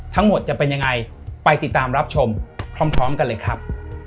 ทั้งหมดจะเป็นยังไงไปติดตามรับชมพร้อมกันเลยครับ